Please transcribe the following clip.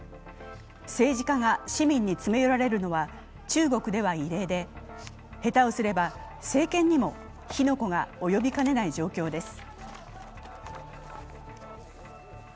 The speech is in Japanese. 政治家が市民に詰め寄られるのは中国では異例で下手をすれば、政権にも火の粉が及びかねない状況です。